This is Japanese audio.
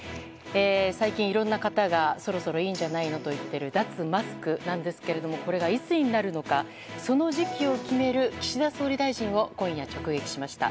最近、いろいろな方がそろそろ、いいんじゃないのと言っている脱マスクですがこれがいつになるのかその時期を決める岸田総理大臣を今夜直撃しました。